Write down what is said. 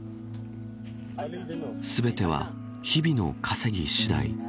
全ては日々の稼ぎ次第。